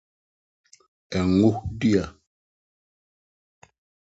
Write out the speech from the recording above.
Ngodua